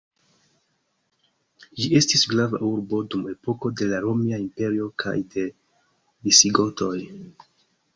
Ĝi estis grava urbo dum epoko de la Romia Imperio kaj de visigotoj.